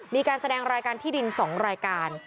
มีการแสดงรายการที่ดิน๒รายการ